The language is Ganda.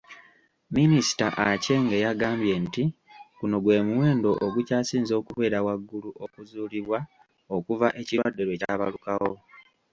Minisita Aceng yagambye nti, guno gwe muwendo ogukyasinze okubeera waggulu okuzuulibwa okuva ekirwadde lwe kyabalukawo.